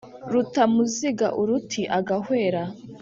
rutamuziga uruti agahwera,